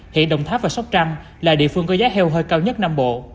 hiện đồng tháp và sóc trăng là địa phương có giá heo hơi cao nhất nam bộ